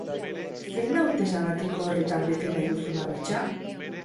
Zein da urte sabatiko horretan bete nahi duzun ametsa?